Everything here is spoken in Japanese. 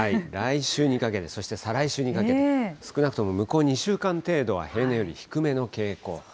来週にかけて、そして再来週にかけて、少なくとも向こう２週間程度は平年より低めの傾向。